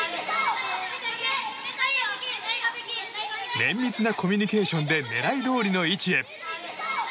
綿密なコミュニケーションで狙いどおりの位置へ。